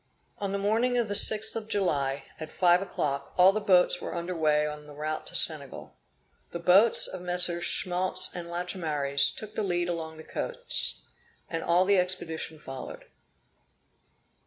On the morning of the 6th of July, at five o'clock, all the boats were under way on the route to Senegal. The boats of MM. Schmaltz and Lachaumareys took the lead along the coast, and all the expedition followed.